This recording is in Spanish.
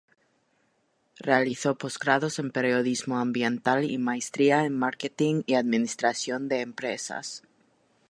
Realizó posgrados en Periodismo Ambiental y maestría en marketing y administración de empresas.